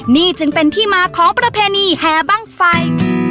นี่จึงเป็นที่มาของประเพณีแห่บ้างไฟ